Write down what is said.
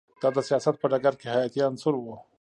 دا د سیاست په ډګر کې حیاتی عنصر و